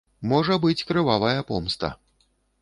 Можа быць крывавая помста.